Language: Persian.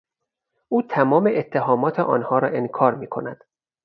او تمام اتهامات آنها را انکار میکند.